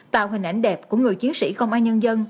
tạo hình ảnh đẹp của người chiến sĩ không ai nhân dân